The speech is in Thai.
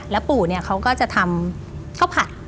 แล้วปู่เขาก็จะทำข้าวผัด